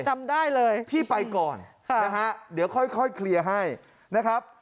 จำได้เลยพี่ไปก่อนนะฮะเดี๋ยวค่อยเคลียร์ให้นะครับ